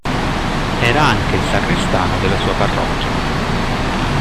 Era anche il sacrestano della sua parrocchia.